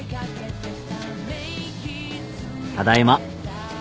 ただいま。